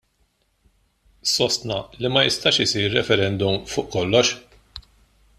Sostna li ma jistax isir referendum fuq kollox.